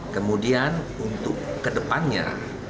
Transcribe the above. kemudian untuk kedepannya